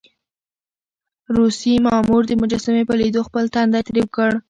روسي مامور د مجسمې په ليدو خپل تندی تريو کړ.